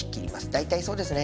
大体そうですね